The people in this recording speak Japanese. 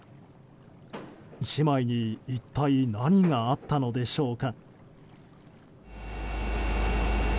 姉妹に一体何があったのでしょうか。